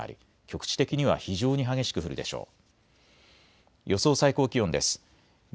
局地的には非常に激しく降るでしょう。